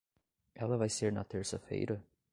Ela vai ser na terça-feira?